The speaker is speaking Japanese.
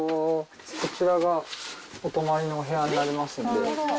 こちらがお泊まりのお部屋になりますんで。